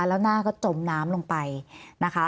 แล้วหน้าก็จมน้ำลงไปนะคะ